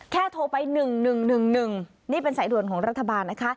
แค่โทรไปหนึ่งหนึ่งหนึ่งหนึ่งนี่เป็นสายด่วนของรัฐบาลนะคะ